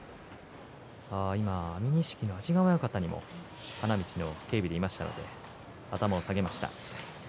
今、安美錦の安治川親方も花道の警備にいましたので頭を下げました。